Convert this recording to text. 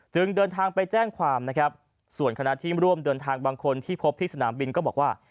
เดินทางไปแจ้งความนะครับส่วนคณะที่ร่วมเดินทางบางคนที่พบที่สนามบินก็บอกว่า